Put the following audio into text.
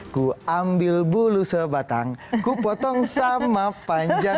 ku ambil bulu sebatang ku potong sama panjang